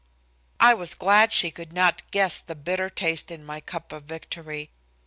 I was glad she could not guess the bitter taste in my cup of victory.